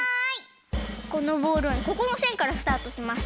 このボールはここのせんからスタートします。